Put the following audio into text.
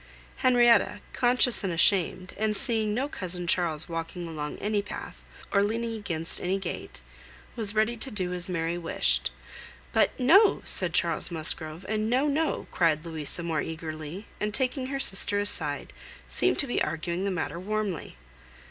Henrietta, conscious and ashamed, and seeing no cousin Charles walking along any path, or leaning against any gate, was ready to do as Mary wished; but "No!" said Charles Musgrove, and "No, no!" cried Louisa more eagerly, and taking her sister aside, seemed to be arguing the matter warmly.